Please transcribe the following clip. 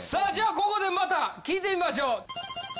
ここでまた聞いてみましょう。